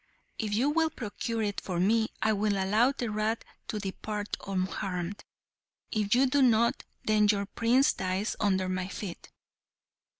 If you will procure it for me, I will allow the rat to depart unharmed. If you do not, then your prince dies under my feet."